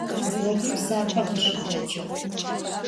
Ğogum sape khışıtecığ.